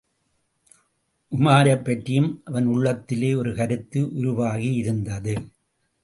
உமாரைப் பற்றியும் அவன் உள்ளத்திலே ஒரு கருத்து உருவாகியிருந்தது.